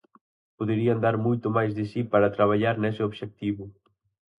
Poderían dar moito máis de si para traballar nese obxectivo.